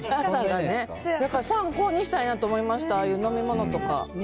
だから参考にしたいなと思いました。